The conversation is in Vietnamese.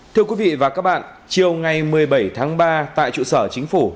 thưa quý vị và các bạn chiều ngày một mươi bảy tháng ba tại trụ sở chính phủ